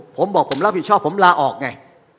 ผมบอกผมรับผิดชอบผมลาออกไง